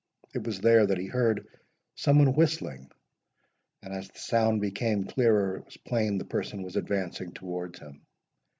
It was there that he heard some one whistling; and, as the sound became clearer, it was plain the person was advancing towards him.